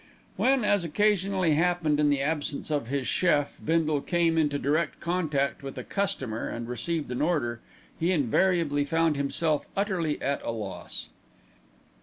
When, as occasionally happened in the absence of his chief, Bindle came into direct contact with a customer and received an order, he invariably found himself utterly at a loss.